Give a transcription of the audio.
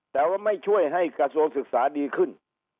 แต่ว่าไม่ช่วยให้กระทรวงศึกษาดีขึ้น